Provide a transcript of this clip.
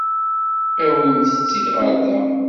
Awimt-t-id ɣer da.